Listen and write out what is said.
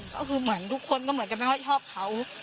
ก็คือเหมือนทุกคนก็เหมือนกันไม่ค่อยชอบเขา